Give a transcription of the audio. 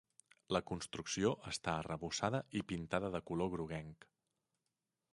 La construcció està arrebossada i pintada de color groguenc.